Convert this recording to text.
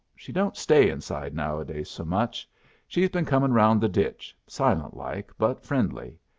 She don't stay inside nowadays so much. She's been comin' round the ditch, silent like but friendly.